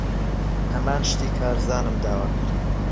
ھەمان شتی کارزانم داوا کرد.